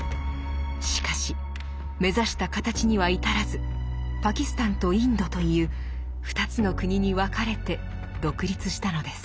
しかし目指した形には至らずパキスタンとインドという２つの国に分かれて独立したのです。